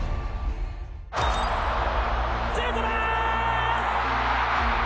シュートだ！